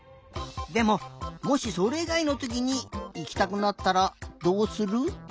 でももしそれいがいのときにいきたくなったらどうする？